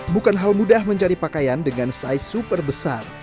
bukan hal mudah mencari pakaian dengan size super besar